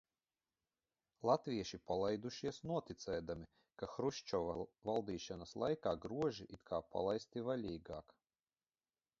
Latvieši palaidušies noticēdami, ka Hruščova valdīšanas laikā groži it kā palaisti vaļīgāk.